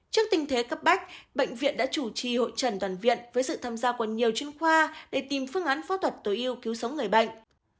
trước tình thế cấp bách bệnh viện đã chủ trì hội trần toàn viện với sự tham gia của nhiều chuyên khoa để tìm phương án phẫu thuật tối yêu cứu sống người bệnh